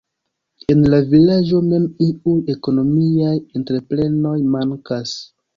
En la vilaĝo mem iuj ekonomiaj entreprenoj mankas.